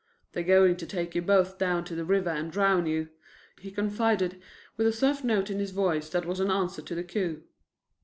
"They're going to take you both down to the river and drown you," he confided with a soft note in his voice that was an answer to the coo.